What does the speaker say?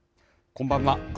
こんばんは。